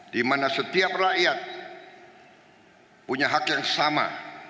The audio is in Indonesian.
dimana setiap rakyat punya hak yang sama